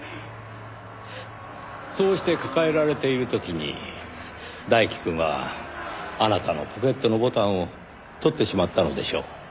そうして抱えられている時に大樹くんはあなたのポケットのボタンを取ってしまったのでしょう。